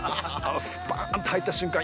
スパーンと入った瞬間